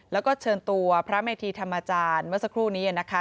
แล้วก็เชิญตัวพระเมธีธรรมอาจารย์เมื่อสักครู่นี้นะคะ